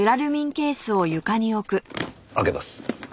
開けます。